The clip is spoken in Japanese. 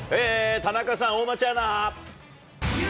田中さん、大町アナ。